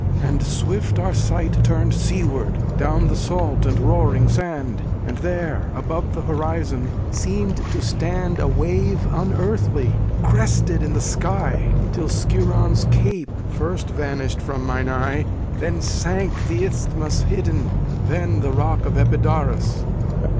And swift our sight Turned seaward, down the salt and roaring sand. And there, above the horizon, seemed to stand A wave unearthly, crested in the sky; Till Skiron's Cape first vanished from mine eye, Then sank the Isthmus hidden, then the rock Of Epidaurus.